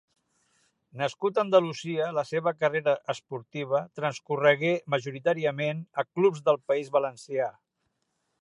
Nascut a Andalusia, la seva carrera esportiva transcorregué majoritàriament a clubs del País Valencià.